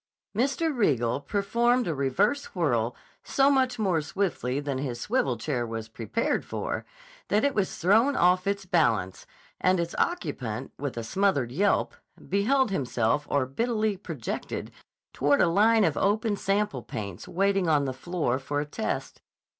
Mr. Riegel performed a reverse whirl so much more swiftly than his swivel chair was prepared for that it was thrown off its balance, and its occupant, with a smothered yelp, beheld himself orbitally projected toward a line of open sample paints waiting on the floor for a test.